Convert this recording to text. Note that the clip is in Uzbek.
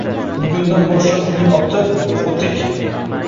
Bugundan boshlab uning oti — Xo‘tik.